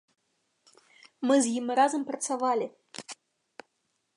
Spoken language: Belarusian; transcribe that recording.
Мы з ім разам працавалі.